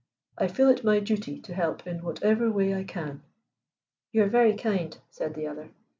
"I feel it my duty to help in whatever way I can." "You are very kind," said the other.